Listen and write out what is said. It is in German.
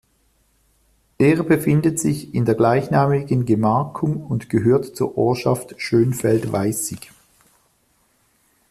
Er befindet sich in der gleichnamigen Gemarkung und gehört zur Ortschaft Schönfeld-Weißig.